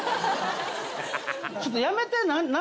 ちょっとやめて何？